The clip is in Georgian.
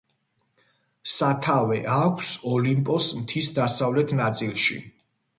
სათავე აქვს ოლიმპოს მთის დასავლეთ ნაწილში.